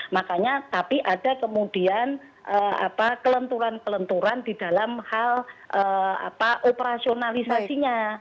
makanya tapi ada kemudian kelenturan kelenturan di dalam hal operasionalisasinya